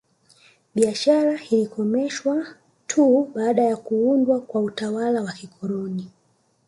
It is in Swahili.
Biashara ilikomeshwa tu baada ya kuundwa kwa utawala wa kikoloni